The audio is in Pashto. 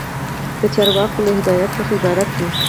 دا د چارواکو له هدایاتو څخه عبارت دی.